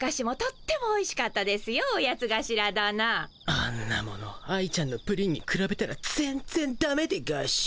あんなもの愛ちゃんのプリンにくらべたら全ぜんダメでガシ。